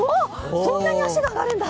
そんなに足が上がるんだ。